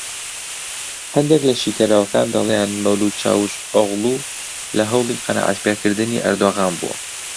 هەندێک لە شیکەرەوەکان دەڵێن مەولود چاوشئۆغڵو لە هەوڵی قەناعەتپێکردنی ئەردۆغان بووە